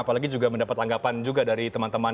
apalagi juga mendapat anggapan juga dari teman teman